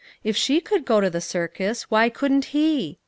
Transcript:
If she could go to the circus, why couldn't he?